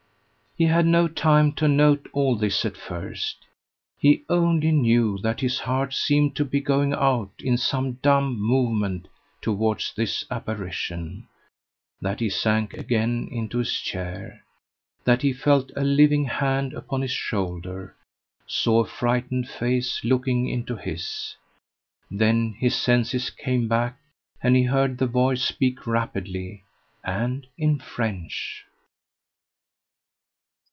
He had no time to note all this at first. He only knew that his heart seemed to be going out in some dumb movement towards this apparition that he sank again into his chair that he felt a living hand upon his shoulder saw a frightened face looking into his. Then his senses came back, and he heard the voice speak rapidly, and in French.